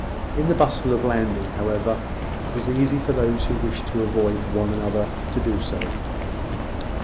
In the bustle of landing, however, it was easy for those who wished to avoid one another to do so.